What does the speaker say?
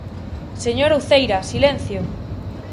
¡Señora Uceira, silencio!